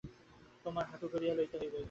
তোমাকে হাঁটু গাড়িয়া লইতে হইবেই।